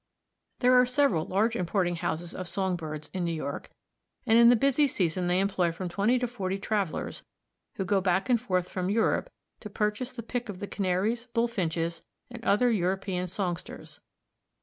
There are several large importing houses of song birds in New York, and in the busy season they employ from twenty to forty travelers who go back and forth from Europe to purchase the pick of the Canaries, Bullfinches and other European songsters.